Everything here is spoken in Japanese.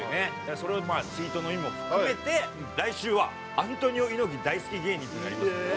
それをまあ追悼の意味も含めて来週はアントニオ猪木大好き芸人っていうのやりますので。